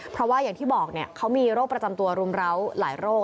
เพราะว่าอย่างที่บอกเขามีโรคประจำตัวรุมร้าวหลายโรค